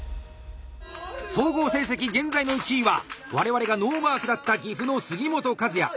総合成績現在の１位は我々がノーマークだった岐阜の杉本和也。